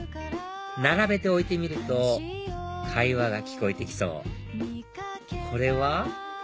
並べて置いてみると会話が聞こえて来そうこれは？